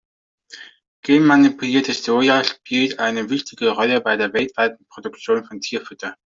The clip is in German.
Genmanipuliertes Soja spielt eine wichtige Rolle bei der weltweiten Produktion von Tierfutter.